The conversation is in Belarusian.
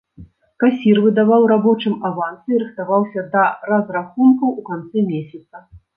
Касір выдаваў рабочым авансы і рыхтаваўся да разрахункаў у канцы месяца.